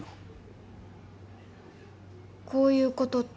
こういうことって？